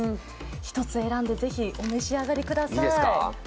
１つ選んでお召し上がりください。